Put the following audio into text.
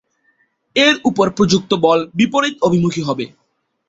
এর উপর প্রযুক্ত বল বিপরীত অভিমুখী হবে।